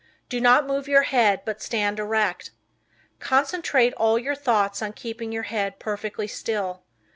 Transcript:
Do not move your head, but stand erect. Concentrate all your thoughts on keeping your head perfectly still.